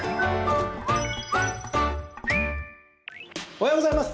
おはようございます。